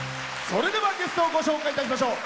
それでは、ゲストをご紹介いたしましょう。